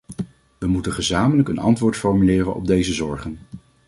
We moeten gezamenlijk een antwoord formuleren op deze zorgen.